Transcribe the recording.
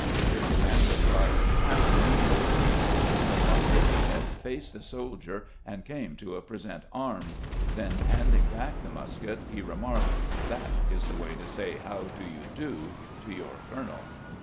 His commander cried, " Hand me your piece," and upon taking it, faced the soldier and came to a "present arms"; then handing back the musket, he remarked, " That is the way to say ' How do you do ' to your colonel."